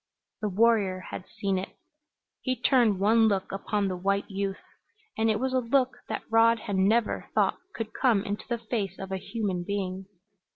The warrior had seen it. He turned one look upon the white youth, and it was a look that Rod had never thought could come into the face of a human being.